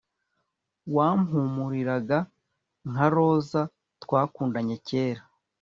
wampumuriraga nka roza twakundanye kera